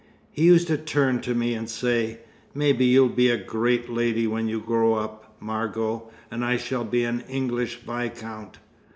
He used to turn to me and say: 'Maybe you'll be a great lady when you grow up, Margot, and I shall be an English viscount.'